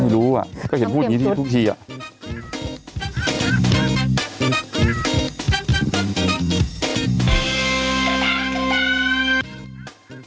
ไม่รู้ว่ะก็เห็นพูดอย่างนี้ทุกทีอ่ะต้องเตรียมทุกอ่ะ